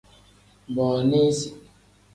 Booniisi.